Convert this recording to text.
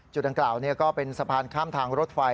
ดังกล่าวก็เป็นสะพานข้ามทางรถไฟ